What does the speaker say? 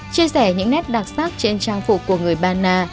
chia sẻ những nét đặc sắc trên trang phục của người ba na